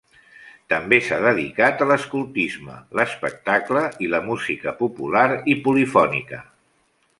També s'ha dedicat a l'escoltisme, l'espectacle i la música popular i polifònica.